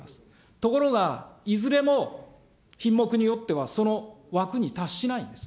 ところが、いずれも品目によっては、その枠に達しないんです。